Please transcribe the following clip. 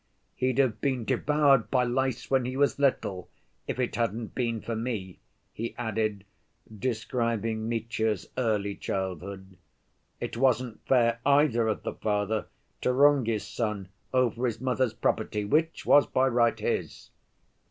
He'd have been devoured by lice when he was little, if it hadn't been for me," he added, describing Mitya's early childhood. "It wasn't fair either of the father to wrong his son over his mother's property, which was by right his."